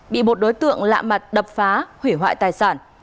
bị một đối tượng lạ mặt đập phá hủy hoại tài sản